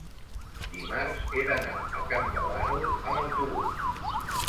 dimarts he d'anar a Campdevànol amb autobús.